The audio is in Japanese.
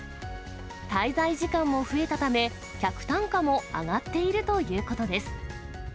滞在時間も増えたため、客単価も上がっているということです。